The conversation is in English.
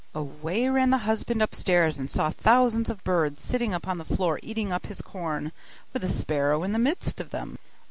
Away ran the husband upstairs, and saw thousands of birds sitting upon the floor eating up his corn, with the sparrow in the midst of them.